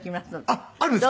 あっあるんですか？